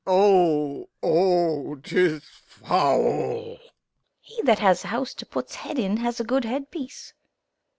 O! O! 'tis foul! Fool. He that has a house to put 's head in has a good head piece.